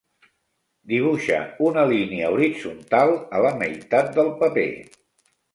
Dibuixa una línia horitzontal a la meitat del paper.